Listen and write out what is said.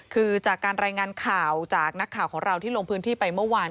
คือจากการรายงานข่าวจากนักข่าวของเราที่ลงพื้นที่ไปเมื่อวาน